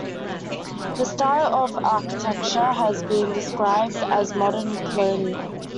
The style of the architecture has been described as Modern Colonial.